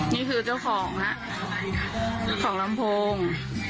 นี่คือเจ้าของนะของลำโพง